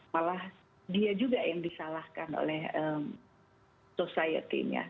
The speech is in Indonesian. malah dia juga yang disalahkan oleh society nya